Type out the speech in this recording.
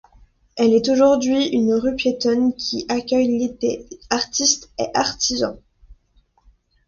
Elle est aujourd'hui une rue piétonne qui accueille l'été artiste et artisans.